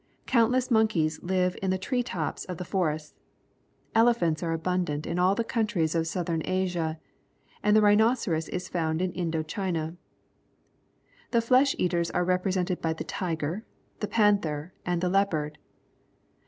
Countless monkeys live in the tree tops of the forests. Elephants are abundant in all the countries of Southern Asia, and the rhi noceros is found in Indo China. The flesh eaters are represented by the tiger, the panther, and the leopard.